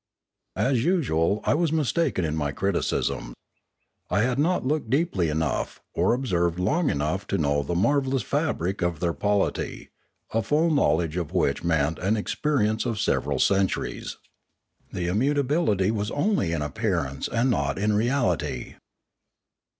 As usual I was mistaken in my criticism. I had not looked deeply enough, or observed long enough to know the marvellous fabric of their polity, a full know ledge of which meant an experience of several centuries. The immutability was only in appearance and not in reality.